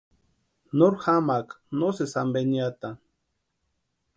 Nori jamaaka no sési ampe niatani.